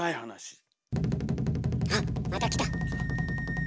あっまたきた。